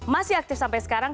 masih aktif sampai sekarang